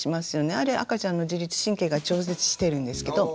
あれ赤ちゃんの自律神経が調節してるんですけど。